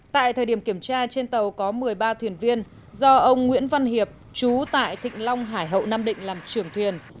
tại thời điểm kiểm tra trên tàu có một mươi ba thuyền viên do ông nguyễn văn hiệp chú tại thịnh long hải hậu nam định làm trưởng thuyền